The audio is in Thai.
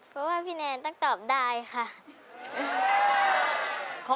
เพราะว่าพี่แนนต้องตอบได้ค่ะ